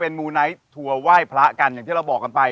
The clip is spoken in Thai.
เป็นมูไหนทั่วไหว้พระกันอย่างที่เราบอกกันไป